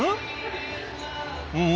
うん？